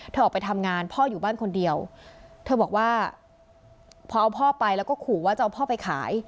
ออกไปทำงานพ่ออยู่บ้านคนเดียวเธอบอกว่าพอเอาพ่อไปแล้วก็ขู่ว่าจะเอาพ่อไปขาย